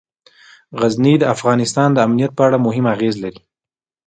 غزني د افغانستان د امنیت په اړه هم اغېز لري.